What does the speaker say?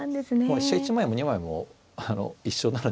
飛車１枚も２枚も一緒なので。